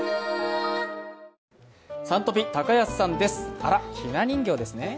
あらっ、ひな人形ですね？